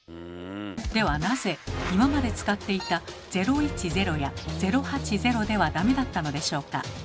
ではなぜ今まで使っていた「０１０」や「０８０」ではダメだったのでしょうか。